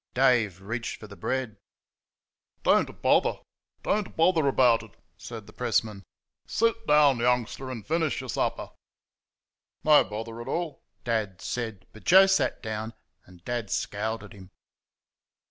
Dave reached for the bread. "Don't bother don't bother about it," said the pressman. "Sit down, youngster, and finish your supper." "No bother at all," Dad said; but Joe sat down, and Dad scowled at him.